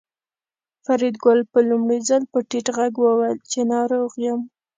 فریدګل په لومړي ځل په ټیټ غږ وویل چې ناروغ یم